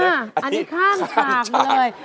อันนี้ข้ามฉากมาเลย